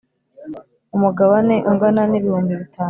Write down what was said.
umugabane ungana n,ibihumbi bitanu